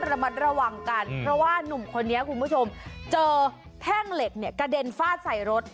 ระมัดระวังกันเพราะว่านุ่มคนนี้คุณผู้ชมเจอแท่งเหล็กเนี่ยกระเด็นฟาดใส่รถ